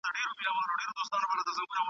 او په ګلڅانګو کي له تاکه پیمانې وي وني